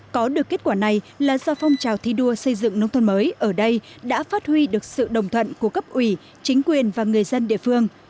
có được kết quả này là do phong trào thi đua xây dựng nông thôn mới ở đây đã phát huy được sự đồng thuận của cấp ủy chính quyền và người dân địa phương